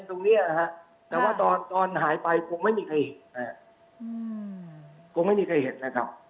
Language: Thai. แต่ว่าวันหายไปกลงไม่คายเห็น